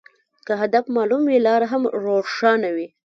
که هدف معلوم وي، لار هم روښانه وي.